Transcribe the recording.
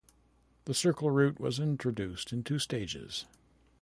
The CircleRoute was introduced in two stages.